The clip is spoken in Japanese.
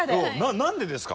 何でですか？